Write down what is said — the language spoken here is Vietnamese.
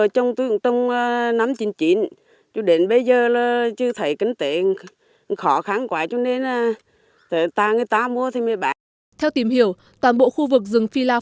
theo tìm hiểu toàn bộ khu vực rừng phi lao phòng hộ hải dương hạ bắc xã hải dương thị xã hương trà tỉnh thừa thuyền huế đã được trồng lâu năm